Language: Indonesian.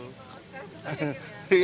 sekarang susah ya gitu ya